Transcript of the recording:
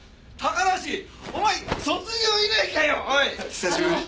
久しぶり。